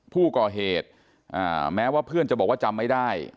ผู้ก่อเหตุแม้ว่าเพื่อนจะบอกว่าจำไม่ได้